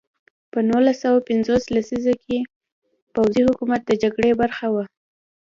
په نولس سوه پنځوس لسیزه کې پوځي حکومت د جګړې برخه وه.